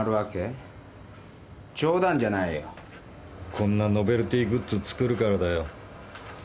こんなノベルティーグッズ作るからだよ。